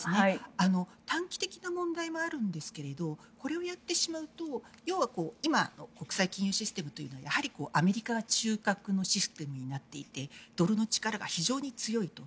短期的な問題はあるんですけれどこれをやってしまうと今、国際金融システムというのはアメリカが中核のシステムになっていてドルの力が非常に強い。